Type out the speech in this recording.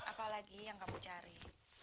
apalagi yang kamu cari